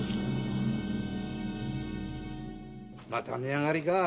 また値上がりかぁ。